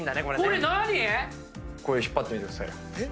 これ何⁉引っ張ってみてくださいよ。